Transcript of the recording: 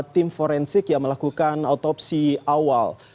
tim forensik yang melakukan otopsi awal